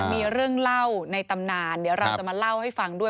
มีเรื่องเล่าในตำนานเดี๋ยวเราจะมาเล่าให้ฟังด้วย